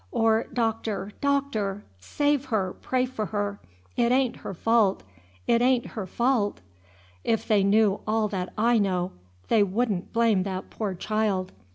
Or, Doctor, Doctor, save her, pray for her! It a'n't her fault. It a'n't her fault. If they knew all that I know, they would n' blame that poor child.